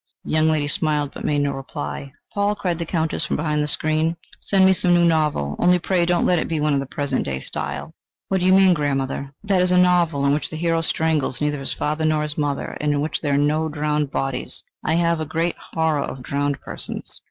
The young lady smiled, but made no reply. "Paul," cried the Countess from behind the screen, "send me some new novel, only pray don't let it be one of the present day style." "What do you mean, grandmother?" "That is, a novel, in which the hero strangles neither his father nor his mother, and in which there are no drowned bodies. I have a great horror of drowned persons."